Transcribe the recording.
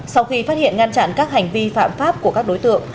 sau khi phát hiện ngăn chặn các hành vi phạm pháp của các đối tượng